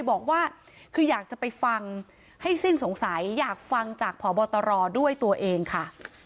บอกว่าคืออยากจะไปฟังให้สิ้นสงสัยอยากฟังจากพบตรด้วยตัวเองค่ะ